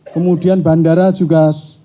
kemudian bandara juga